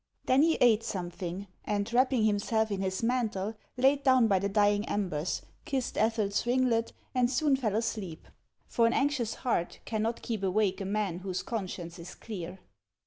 Then he ate some thing, and wrapping himself in his mantle, laid down by 302 HANS OF ICELAND. the dying embers, kissed Ethel's ringlet, and soon fell asleep ; for an auxious heart cannot keep awake a man whose conscience is clear.